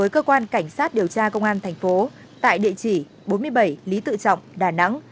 với cơ quan cảnh sát điều tra công an thành phố tại địa chỉ bốn mươi bảy lý tự trọng đà nẵng